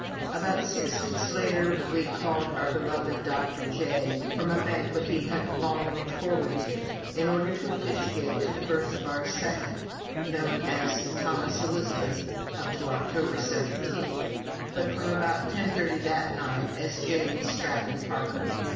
About six weeks later we called our beloved Dr. J from a banquet he had long looked forward to, in order to officiate at the birth of our second, known as Thomas Elizabeth up to October 17, but from about ten thirty that night as James Stratton Parker.